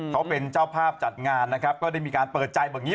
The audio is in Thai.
เขาเป็นเจ้าภาพจัดงานนะครับก็ได้มีการเปิดใจแบบนี้